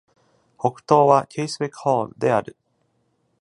北東は Casewick Hall である。